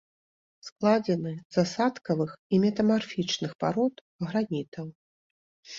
Складзены з асадкавых і метамарфічных парод, гранітаў.